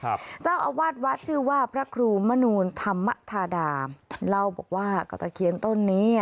เจ้าอาวาสวัดชื่อว่าพระครูมนูลธรรมธาดามเล่าบอกว่าก็ตะเคียนต้นนี้